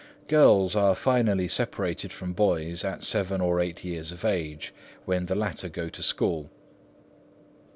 Girls are finally separated from boys at seven or eight years of age, when the latter go to school.